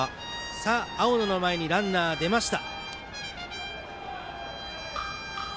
青野の前にランナーが出ました。